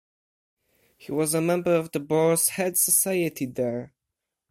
He was a member of the Boar's Head Society there.